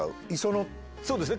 そうですね